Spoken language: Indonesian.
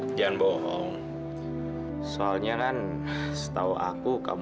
ini orangnya yang paling baik kamu yang paling baik kamu yang paling baik kamu yang paling baik kamu